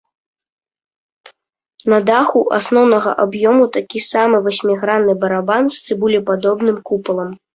На даху асноўнага аб'ёму такі самы васьмігранны барабан з цыбулепадобным купалам.